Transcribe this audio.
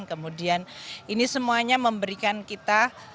kemudian ini semuanya memberikan kita